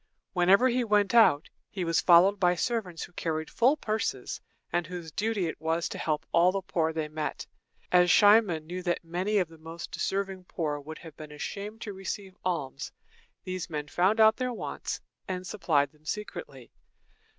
Whenever he went out, he was followed by servants who carried full purses, and whose duty it was to help all the poor they met. As Cimon knew that many of the most deserving poor would have been ashamed to receive alms, these men found out their wants, and supplied them secretly.